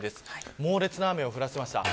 猛烈な雨を降らせました。